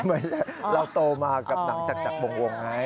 เราโตมากับหนังจากวงไง